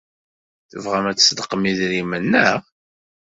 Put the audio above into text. Tebɣam ad tṣeddqem idrimen, naɣ?